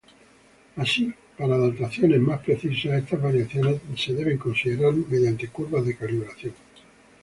Así, para dataciones más precisas, estas variaciones deben ser consideradas mediante curvas de calibración.